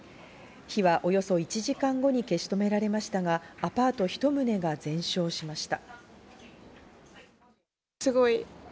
火はおよそ１時間後に消し止められましたが、アパート１棟が全焼しました。